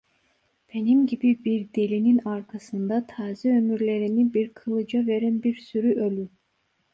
Benim gibi bir delinin arkasında taze ömürlerini bir kılıca veren bir sürü ölü…